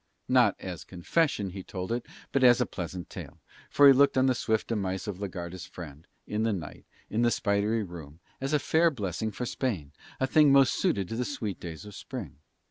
Not as confession he told it, but as a pleasant tale, for he looked on the swift demise of la Garda's friend, in the night, in the spidery room, as a fair blessing for Spain, a thing most suited to the sweet days of Spring.